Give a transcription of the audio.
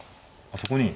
あっそこに。